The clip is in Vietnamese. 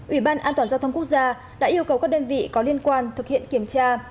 ủy ban an toàn giao thông quốc gia đã yêu cầu các đơn vị có liên quan thực hiện kiểm tra